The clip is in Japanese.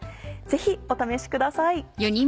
ぜひお試しください。